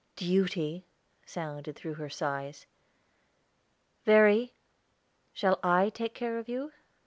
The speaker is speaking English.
Duty sounded through her sighs. "Verry, shall I take care of you?